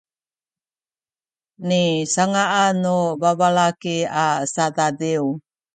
nisanga’an nu babalaki a sadadiw